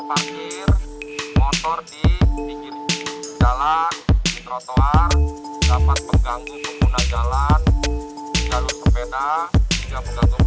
pakir motor di jalan trotoar dapat mengganggu sempurna jalan jalur sepeda juga mengganggu